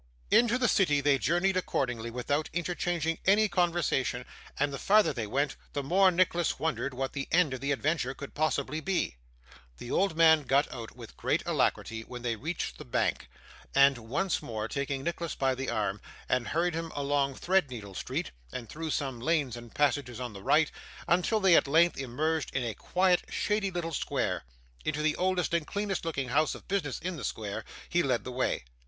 Into the city they journeyed accordingly, without interchanging any conversation; and the farther they went, the more Nicholas wondered what the end of the adventure could possibly be. The old gentleman got out, with great alacrity, when they reached the Bank, and once more taking Nicholas by the arm, hurried him along Threadneedle Street, and through some lanes and passages on the right, until they, at length, emerged in a quiet shady little square. Into the oldest and cleanest looking house of business in the square, he led the way.